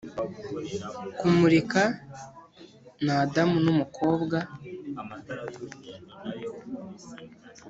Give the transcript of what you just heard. kumurika, ni adamu n'umukobwa,